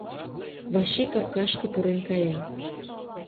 Вачий капкашке пурен кая.